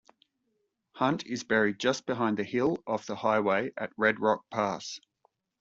Hunt is buried just behind the hill off the highway at Red Rock Pass.